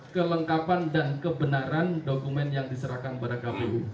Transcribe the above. kelengkapan dan kebenaran dokumen yang diserahkan pada kpu